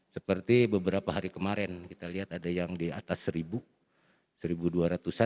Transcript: seperti beberapa hari kemarin kita lihat ada yang di atas satu